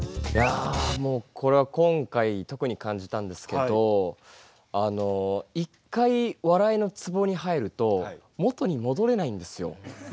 いやもうこれは今回特に感じたんですけど一回笑いのツボに入ると元に戻れないんですよ